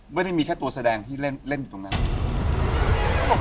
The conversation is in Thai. ไม่ได้มีแค่ตัวแสดงที่เล่นอยู่ตรงนั้น